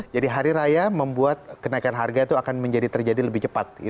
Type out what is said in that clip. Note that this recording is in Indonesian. jadi hari raya membuat kenaikan harga itu akan menjadi terjadi lebih cepat